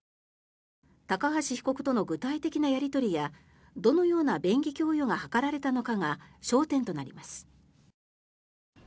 高橋被告との具体的なやり取りやどのような便宜供与が図られたのかが焦点となります。